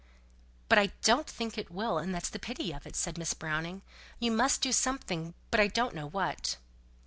"But I don't think it will, and that's the pity of it," said Miss Browning. "You must do something, but I don't know what."